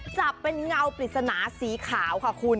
จับเป็นเงาปริศนาสีขาวค่ะคุณ